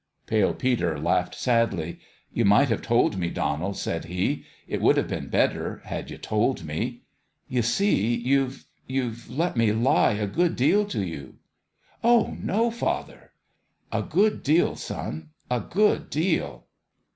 Pale Peter laughed sadly. " You might have told me, Donald," said he. "It would have been better had you told me. You see, you've you've let me lie a good deal to you." " Oh, no, father !" 320 THE END OF THE GAME " A good deal, son a good deal."